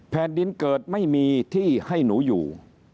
แผ่นดินเกิดไม่มีที่ให้หนูอยู่